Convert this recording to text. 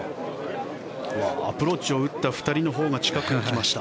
アプローチを打った２人のほうが近くなりました。